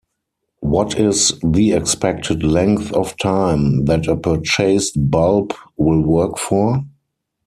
What is the expected length of time that a purchased bulb will work for?